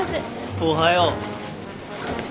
おはよう。